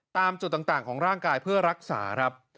ตามจุดต่างของร่างกายเพื่อรักษาครับ